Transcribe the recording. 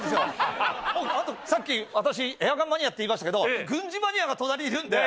あとさっき私エアガンマニアって言いましたけど軍事マニアが隣にいるんで。